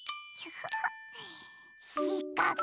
しかく。